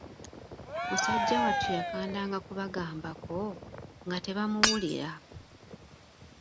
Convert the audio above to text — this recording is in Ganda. Musajja wattu yakandanga kubagambako, nga tebamuwulira.